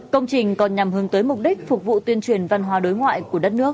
công trình còn nhằm hướng tới mục đích phục vụ tuyên truyền văn hóa đối ngoại của đất nước